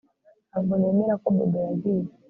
Ntabwo nemera ko Bobo yagiye